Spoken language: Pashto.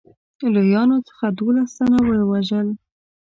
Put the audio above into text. لویانو څخه دوولس تنه ووژل.